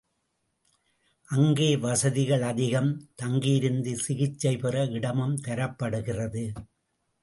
அங்கே வசதிகள் அதிகம் தங்கி இருந்து சிகிச்சை பெற இடமும் தரப்படுகிறது.